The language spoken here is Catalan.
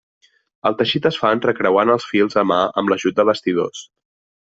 El teixit es fa entrecreuant els fils a mà amb l'ajut de bastidors.